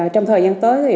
trong thời gian tới